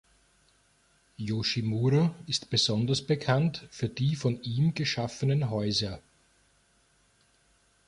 Yoshimura ist besonders bekannt für die von ihm geschaffenen Häuser.